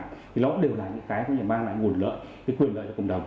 nó cũng đều là những cái mang lại nguồn lợi quyền lợi cho cộng đồng